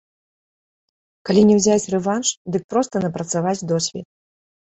Калі не ўзяць рэванш, дык проста напрацаваць досвед.